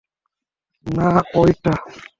না, ঐটা।